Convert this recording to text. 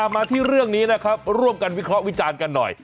มาที่เรื่องนี้นะครับร่วมกันวิเคราะห์วิจารณ์กันหน่อย